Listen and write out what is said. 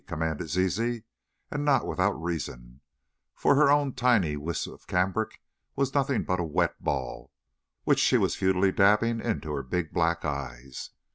commanded Zizi, and not without reason, for her own tiny wisp of cambric was nothing but a wet ball, which she was futilely dabbing into her big black eyes.